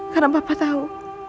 karena papa tau